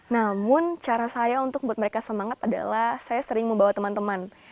namun cara saya untuk buat mereka semangat adalah saya sering membawa teman teman